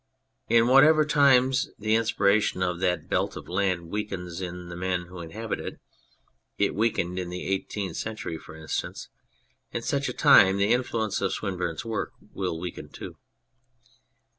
In whatever times the inspiration of that belt of land weakens in the men who inhabit it (it weakened in the Eighteenth Century, for instance), in such a time the influence of Swinburne's work will weaken too.